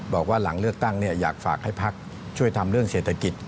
บอกว่าหลังเลือกตั้งอยากฝากให้พักช่วยทำเรื่องเศรษฐกิจ